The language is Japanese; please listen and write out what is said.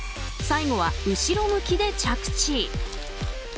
最後は後ろ向きで着地。